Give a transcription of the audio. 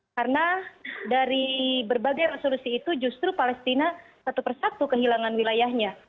karena dari berbagai resolusi itu justru palestina satu persatu kehilangan wilayahnya